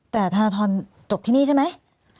แต่ธนทรจบที่นี่ใช่ไหม